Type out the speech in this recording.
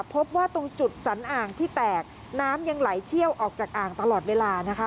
พบว่าตรงจุดสันอ่างที่แตกน้ำยังไหลเชี่ยวออกจากอ่างตลอดเวลานะคะ